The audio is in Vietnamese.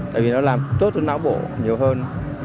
tại vì nó làm tốt cho não bộ nhiều hơn